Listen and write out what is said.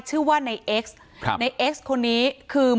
ชื่อว่าไนเอกทางเค้านี้คือ